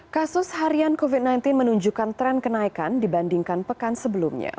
kasus harian covid sembilan belas menunjukkan tren kenaikan dibandingkan pekan sebelumnya